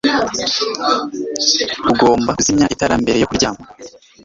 ugomba kuzimya itara mbere yo kuryama